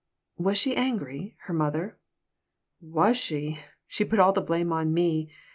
"Was she angry, her mother?" "Was she! She put all the blame on me.